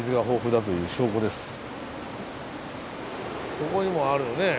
ここにもあるのね。